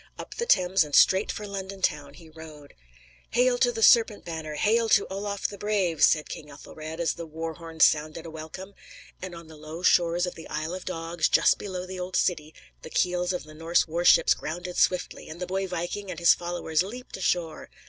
Up the Thames and straight for London town he rowed. "Hail to the serpent banner! Hail to Olaf the Brave!" said King Ethelred, as the war horns sounded a welcome; and on the low shores of the Isle of Dogs, just below the old city, the keels of the Norse war ships grounded swiftly, and the boy viking and his followers leaped ashore.